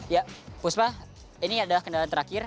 ya puspa ini adalah kendaraan terakhir